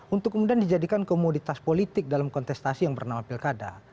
untuk kemudian dijadikan komoditas politik dalam kontestasi yang bernama pilkada